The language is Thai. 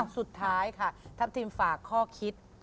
สุดท้ายค่ะทัพทีมฝากข้อคิด